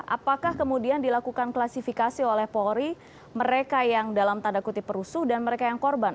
apakah kemudian dilakukan klasifikasi oleh polri mereka yang dalam tanda kutip perusuh dan mereka yang korban